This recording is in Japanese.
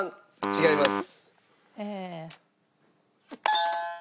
違います。